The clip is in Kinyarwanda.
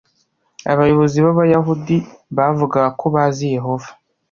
abayobozi b’Abayahudi bavugaga ko bazi Yehova